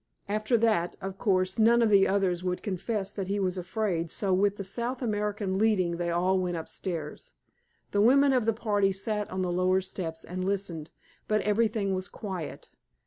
After that, of course, none of the others would confess that he was afraid, so with the South American leading, they all went upstairs. The women of the party sat on the lower steps and listened, but everything was quiet.